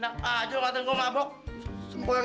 tapi kita mencari pakaian hogyfa pakaian